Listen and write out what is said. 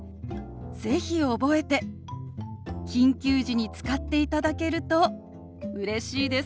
是非覚えて緊急時に使っていただけるとうれしいです。